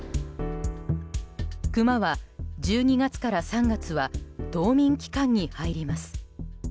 クマは、１２月から３月は冬眠期間に入ります。